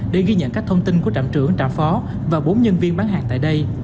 để ghi nhận các thông tin của trạm trưởng trạm phó và bốn nhân viên bán hàng tại đây